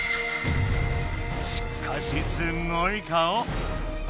しっかしすんごい顔。